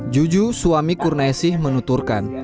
juju suami kurna esih menuturkan